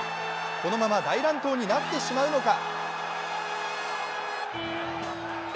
このまま大乱闘になってしまうのか？